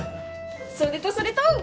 それとそれと！